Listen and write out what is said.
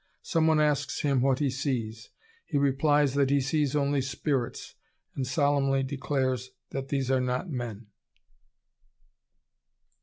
Some one asks him what he sees. He replies that he sees only spirits, and solemnly declares that these are not men....